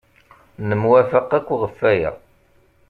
Nemwafaq akk ɣef waya.